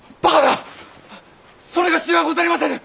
それがしではござりませぬ！